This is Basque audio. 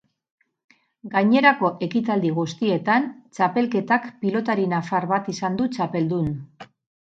Gainerako ekitaldi guztietan txapelketak pilotari nafar bat izan du txapeldun.